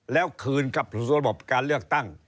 แล้วคืนกับสมบัติการเลือกตั้ง